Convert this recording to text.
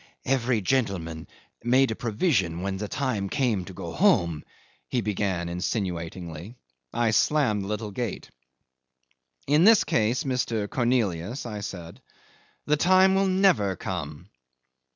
"Every gentleman made a provision when the time came to go home," he began insinuatingly. I slammed the little gate. "In this case, Mr. Cornelius," I said, "the time will never come."